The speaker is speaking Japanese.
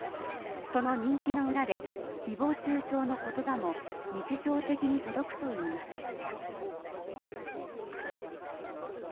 その人気の裏で誹謗中傷の言葉も日常的に届くといいます。